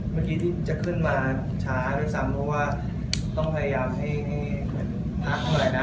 เมื่อกี้ที่จะขึ้นมาช้าด้วยซ้ำเพราะว่าต้องพยายามให้เหมือนพักหน่อยนะ